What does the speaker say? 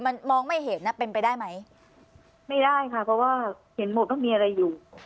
มันมองไม่เห็นนะเป็นไปได้ไหมไม่ได้ค่ะเพราะว่าเห็นหมดว่ามีอะไรอยู่